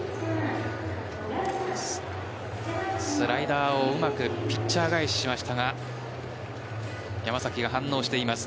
スライダーをうまくピッチャー返ししましたが山崎が反応しています。